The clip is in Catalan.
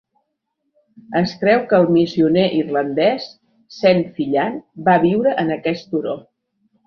Es creu que el missioner irlandès Saint Fillan va viure en aquest turó.